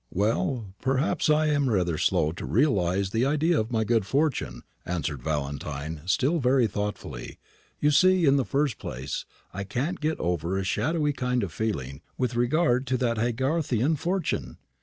"Well, perhaps I am rather slow to realise the idea of my good fortune," answered Valentine, still very thoughtfully. "You see, in the first place, I can't get over a shadowy kind of feeling with regard to that Haygarthian fortune.